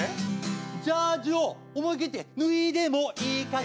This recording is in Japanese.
「ジャージを思い切って脱いでもいいかしら」